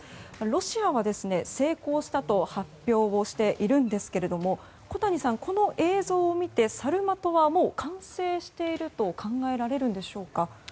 ロシアは成功したと発表をしているんですけれども小谷さん、この映像を見てサルマトはもう完成していると考えられるのでしょうか。